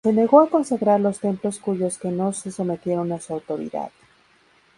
Se negó a consagrar los templos cuyos que no se sometieron a su autoridad.